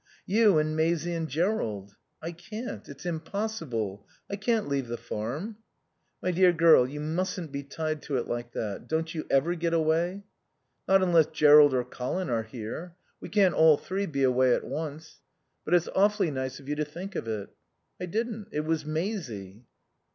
"You and Maisie and Jerrold." "I can't. It's impossible. I can't leave the farm." "My dear girl, you mustn't be tied to it like that. Don't you ever get away?" "Not unless Jerrold or Colin are here. We can't all three be away at once. But it's awfully nice of you to think of it." "I didn't. It was Maisie."